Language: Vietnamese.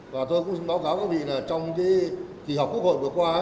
và tôi cũng xin báo cáo các vị là trong cái kỳ họp quốc hội vừa qua